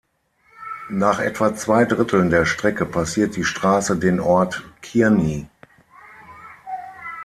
Nach etwa zwei Dritteln der Strecke passiert die Straße den Ort Kearny.